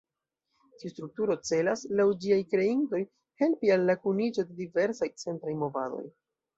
Tiu strukturo celas, laŭ ĝiaj kreintoj, helpi al la kuniĝo de diversaj centraj movadoj.